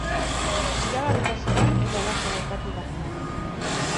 Iragarrita zegoen eta halaxe gertatu da.